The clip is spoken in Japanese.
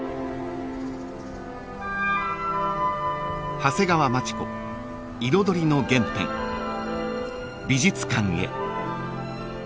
［長谷川町子彩りの原点美術館へ］